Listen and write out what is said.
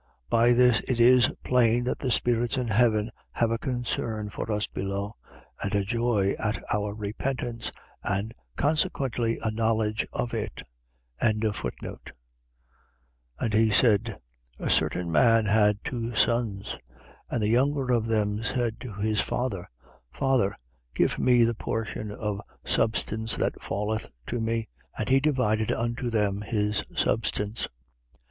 . .By this it is plain that the spirits in heaven have a concern for us below, and a joy at our repentance and consequently a knowledge of it. 15:11. And he said: A certain man had two sons. 15:12. And the younger of them said to his father: Father, give me the portion of substance that falleth to me. And he divided unto them his substance.